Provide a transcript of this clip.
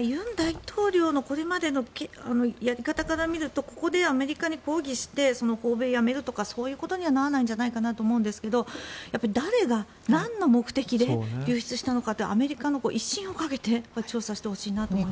尹大統領のこれまでのやり方から見るとここでアメリカに抗議して訪米やめるとかそういうことにはならないと思うんですが、誰がなんの目的で流出したのかアメリカの威信をかけて調査してほしいと思います。